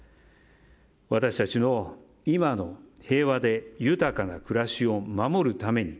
私たちの、今の平和で豊かな暮らしを守るために。